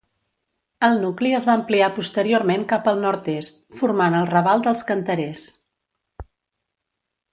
El nucli es va ampliar posteriorment cap al nord-est formant el Raval dels Canterers.